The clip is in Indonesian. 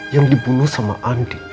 yang dibunuh sama andin